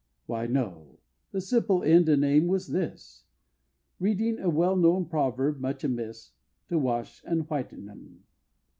Why, no the simple end and aim was this Reading a well known proverb much amiss To wash and whiten 'em!